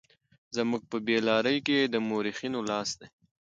زموږ په بې لارۍ کې د مورخينو لاس دی.